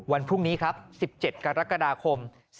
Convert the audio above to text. วันพรุ่งนี้ครับ๑๗กรกฎาคม๒๕๖